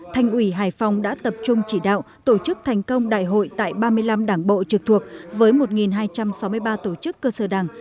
thành ủy hải phòng đã tập trung chỉ đạo tổ chức thành công đại hội tại ba mươi năm đảng bộ trực thuộc với một hai trăm sáu mươi ba tổ chức cơ sở đảng